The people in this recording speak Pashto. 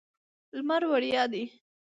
لمر وړیا دی.